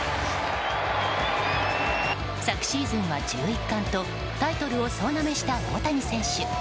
昨シーズンは１１冠とタイトルを総なめした大谷選手。